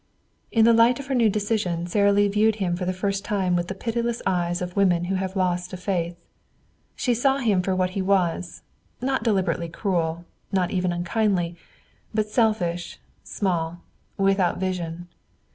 In the light of her new decision Sara Lee viewed him for the first time with the pitiless eyes of women who have lost a faith. She saw him for what he was, not deliberately cruel, not even unkindly, but selfish, small, without vision.